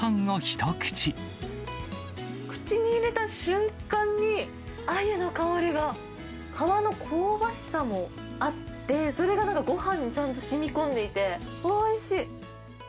口に入れた瞬間に、アユの香りが、皮の香ばしさもあって、それがなんかごはんにちゃんとしみこんでいて、おいしい。